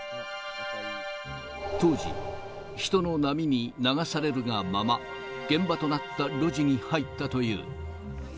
当時、人の波に流されるがまま、現場となった路地に入ったという。